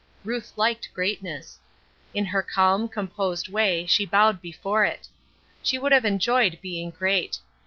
Ruth liked greatness. In her calm, composed way she bowed before it. She would have enjoyed being great.